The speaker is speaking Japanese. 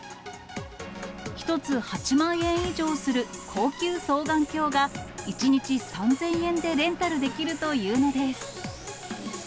１つ８万円以上する高級双眼鏡が、１日３０００円でレンタルできるというのです。